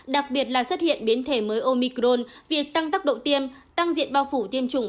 đặc biệt là xuất hiện biến thể mới omicron việc tăng tốc độ tiêm tăng diện bao phủ tiêm chủng